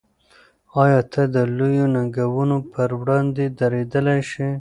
آیا ته د لویو ننګونو پر وړاندې درېدلی شې؟